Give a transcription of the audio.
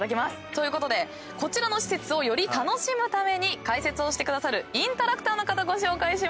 ということでこちらの施設をより楽しむために解説をしてくださるインタラクターの方ご紹介します。